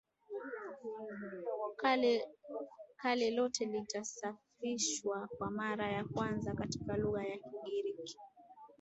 Kale lote lilitafsiriwa kwa mara ya kwanza katika lugha ya Kigiriki